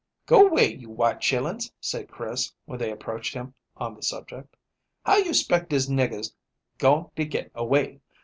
"Go 'way, you white chillens," said Chris, when they approached him on the subject. "How you 'spect dis nigger's going to get away?